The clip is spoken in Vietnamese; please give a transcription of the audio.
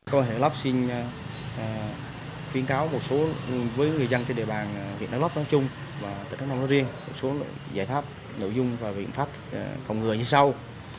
công an huyện đắk lớp xin khuyên cáo một số người dân trên địa bàn huyện đắk lớp nói chung và tự động nói riêng một số giải pháp nội dung và viện pháp phòng ngừa như sau